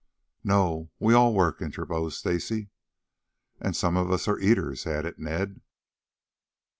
"No; we all work," interposed Stacy. "And some of us are eaters," added Ned.